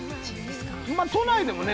都内でもね